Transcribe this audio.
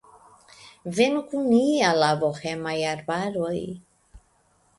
Venu kun ni al la bohemaj arbaroj!